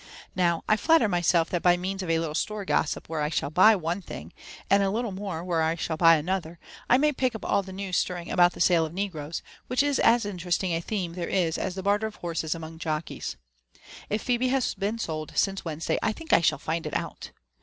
Now, I flatter myself that by means of a little store^gossip where I shall buy one thing, and a little more where I shall buy another, I m^y pick up all the the news stirring about the sale of negroes, which is as interesting a theme there as the barter of horses among jockeys. If Phebe has been sold since Wed nesday, I think I shall find it out.